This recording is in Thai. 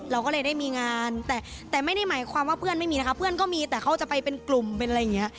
เราก็เลยได้มีงานแต่แต่ไม่ได้หมายความว่าเพื่อนไม่มีนะคะเพื่อนก็มีแต่เขาจะไปเป็นกลุ่มเป็นอะไรอย่างนี้